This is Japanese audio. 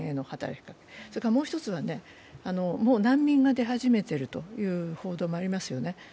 もう一つは、もう難民が出始めているという報道がありますよね。